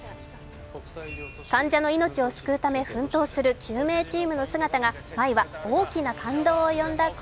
患者の命を救うため奮闘する救命チームの姿が毎話、大きな感動を呼んだ